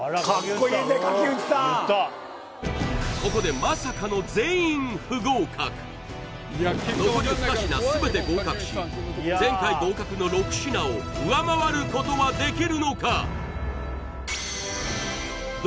ここでまさかの全員不合格残り２品全て合格し前回合格の６品を上回ることはできるのか！？